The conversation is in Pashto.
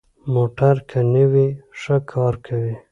موټر که نوي وي، ښه کار کوي.